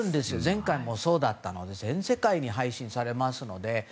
前回もそうだったので全世界に配信されますので。